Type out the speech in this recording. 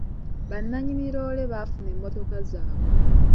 Bannannyini loole baafuna emmotoka zaabwe.